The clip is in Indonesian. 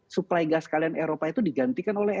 suplai gas kalian eropa itu digantikan oleh